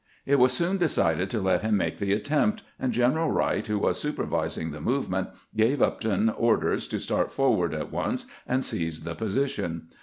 It was soon decided to let him make the attempt, and General "Wright, who was supervising the movement, gave Upton orders to start forward at once and seize the position.